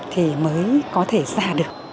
thì mới có thể ra được